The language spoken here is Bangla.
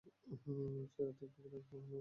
সে রাত্রে ফকিরের আর ঘুম হইল না।